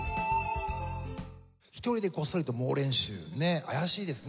１人でこっそりと猛練習怪しいですね。